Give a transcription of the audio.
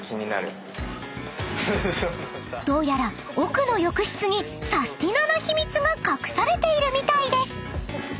［どうやら奥の浴室にサスティなな秘密が隠されているみたいです］